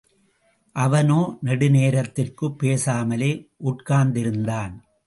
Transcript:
அவனோ நெடுநேரத்திற்குப் பேசாமலே உட்கார்ந்திருந்தான்.